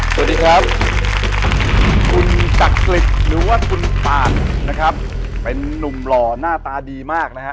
สวัสดีครับคุณจักริจหรือว่าคุณปานนะครับเป็นนุ่มหล่อหน้าตาดีมากนะฮะ